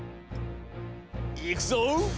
いくぞ！